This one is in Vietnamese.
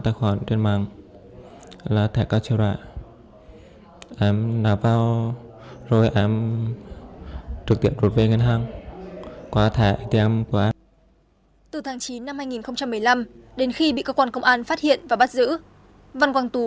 cơ quan công an đã thu thập đồng bộ các biện pháp nghiệp vụ tiến hành giả soát sàng lập đối tượng